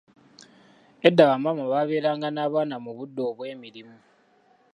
Edda ba maama babeeranga n'abaana mu budde obw’emirimu.